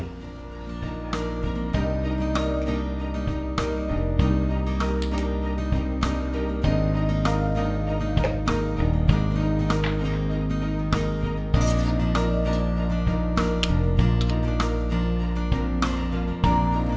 semua jadi lebih mudah loh begini